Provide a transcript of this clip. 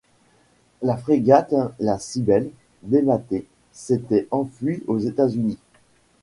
La frégate la Cybèle, démâtée, s'était enfuie aux États-Unis.